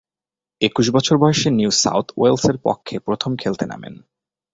একুশ বছর বয়সে নিউ সাউথ ওয়েলসের পক্ষে প্রথম খেলতে নামেন।